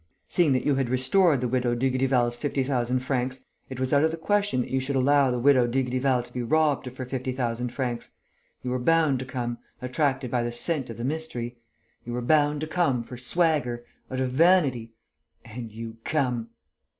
Seeing that you had restored the Widow Dugrival's fifty thousand francs, it was out of the question that you should allow the Widow Dugrival to be robbed of her fifty thousand francs! You were bound to come, attracted by the scent of the mystery. You were bound to come, for swagger, out of vanity! And you come!"